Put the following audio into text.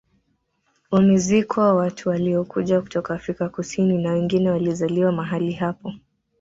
Wamezikwa watu waliokuja kutoka Afrika Kusini na wengine walizaliwa mahali hapo